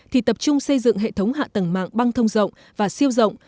thì tập trung xây dựng hệ thống hạ tầng mạng băng thông rộng và siêu rộng